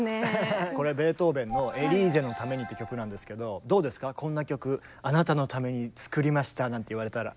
これベートーベンの「エリーゼのために」って曲なんですけどどうですかこんな曲「あなたのために作りました」なんて言われたら？